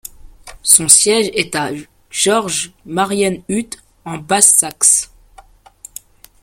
Son siège est à Georgsmarienhütte, en Basse-Saxe.